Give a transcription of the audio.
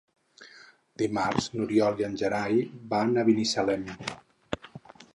Dimarts n'Oriol i en Gerai van a Binissalem.